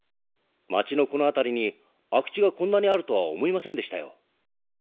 町のこの辺りに空き地がこんなにあるとは思いませんでしたよ。